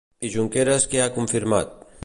I Junqueras què ha confirmat?